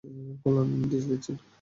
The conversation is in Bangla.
কল্যাণেরই নির্দেশ দিচ্ছেন।